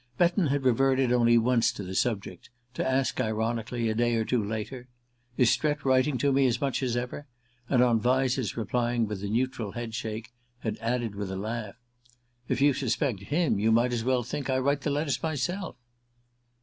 Betton had reverted only once to the subject to ask ironically, a day or two later: "Is Strett writing to me as much as ever?" and, on Vyse's replying with a neutral head shake, had added with a laugh: "If you suspect him you might as well think I write the letters myself!"